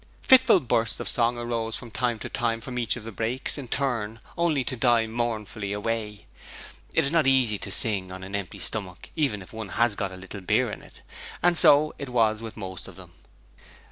Fitful bursts of song arose from time to time from each of the brakes in turn, only to die mournfully away. It is not easy to sing on an empty stomach even if one has got a little beer in it; and so it was with most of them.